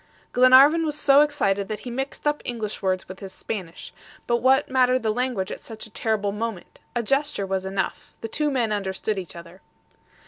Glenarvan was so excited that he mixed up English words with his Spanish. But what mattered the language at such a terrible moment. A gesture was enough. The two men understood each other.